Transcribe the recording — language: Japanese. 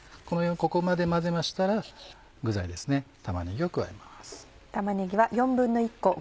ここまで混ぜましたら具材玉ねぎを加えます。